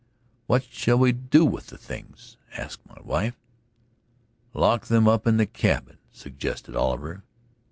"What shall we do with the things?" asked my wife. "Lock them up in the cabin," suggested Oliver.